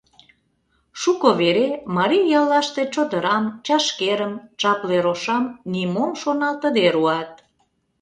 Шуко вере марий яллаште чодырам, чашкерым, чапле рошам нимом шоналтыде руат.